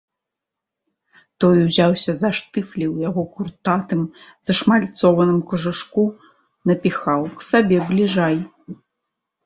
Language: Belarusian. Той узяўся за штрыфлі ў яго куртатым, зашмальцованым кажушку, напіхаў к сабе бліжай.